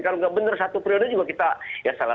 kalau nggak benar satu periode juga kita ya salah